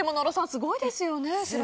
すごいですね。